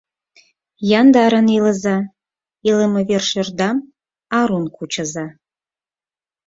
Яндарын илыза, илыме вершӧрдам арун кучыза.